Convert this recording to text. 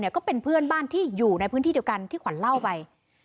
ก็เป็นเพื่อนบ้านที่อยู่ในพื้นที่เดียวกันที่ขวัญเล่าไป